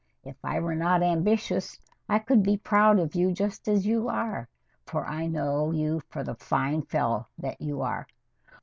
If I were not ambitious, I could be proud of you just as you are, for I know you for the fine fellow that you are.